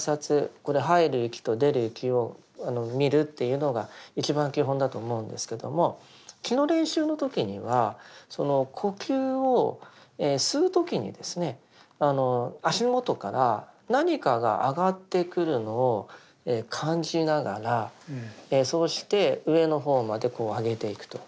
これ入る息と出る息を見るというのが一番基本だと思うんですけども気の練習の時にはその呼吸を吸う時にですね足元から何かが上がってくるのを感じながらそうして上の方までこう上げていくと。